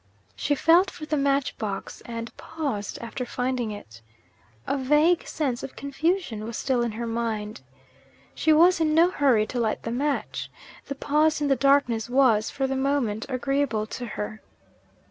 She felt for the match box, and paused after finding it. A vague sense of confusion was still in her mind. She was in no hurry to light the match. The pause in the darkness was, for the moment, agreeable to her.